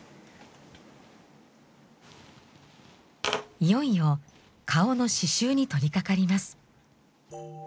いよいよ顔の刺しゅうに取りかかります。